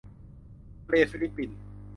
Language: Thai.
ทะเลฟิลิปปิน